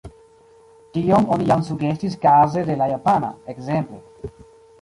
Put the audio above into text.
Tion oni jam sugestis kaze de la japana, ekzemple.